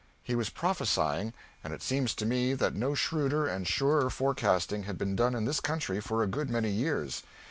He was prophesying, and it seems to me that no shrewder and surer forecasting has been done in this country for a good many years.